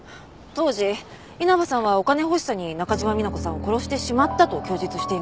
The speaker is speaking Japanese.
当時稲葉さんはお金欲しさに中島美奈子さんを殺してしまったと供述しています。